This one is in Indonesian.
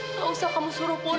enggak usah kamu suruh pun